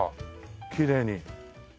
きれいに。